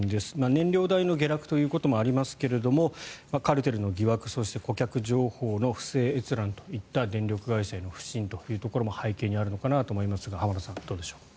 燃料代の下落ということもありますがカルテルの疑惑、そして顧客情報の不正閲覧といった電力会社への不信というところも背景にあるのかなというところですが浜田さん、どうでしょう。